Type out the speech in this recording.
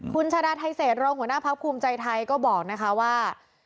คุณชาดาไทเศษรองหัวหน้าพักภูมิใจไทยก็บอกนะคะว่า